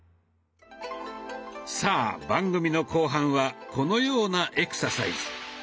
さあ番組の後半はこのようなエクササイズ。